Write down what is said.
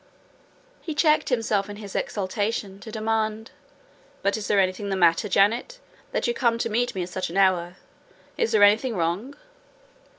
He checked himself in his exultation to demand, "But is there anything the matter, Janet, that you come to meet me at such an hour? Is there anything wrong?"